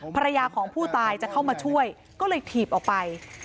ภรรยาของผู้ตายจะเข้ามาช่วยก็เลยถีบออกไป